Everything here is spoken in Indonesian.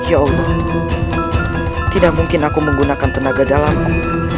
ya allah tidak mungkin aku menggunakan tenaga dalamku